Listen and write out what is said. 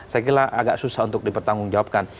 saya kira agak susah untuk dipertanggungjawabkan